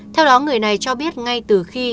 theo đó người này cho biết ngay từ khi